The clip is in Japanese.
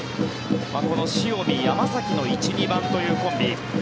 この塩見、山崎の１、２番というコンビ。